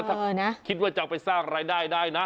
ถ้าคิดว่าจะเอาไปสร้างรายได้ได้นะ